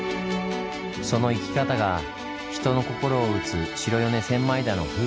その生き方が人の心を打つ白米千枚田の風